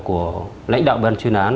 của lãnh đạo ban chuyên án